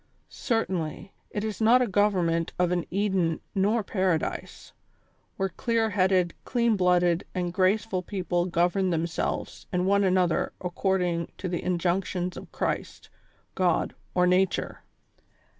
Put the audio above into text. Certainly, it is not a government of an Eden nor Paradise, where clear headed, clean blooded and graceful people govern themselves and one another according to the injunctions of Christ, God or Nature.